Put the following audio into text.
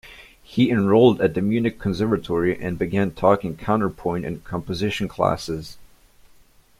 He enrolled at the Munich conservatory and began taking counterpoint and composition classes.